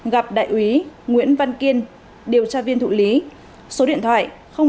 gặp đại úy nguyễn văn kiên điều tra viên thụ lý số điện thoại chín trăm tám mươi bốn ba trăm hai mươi sáu trăm tám mươi sáu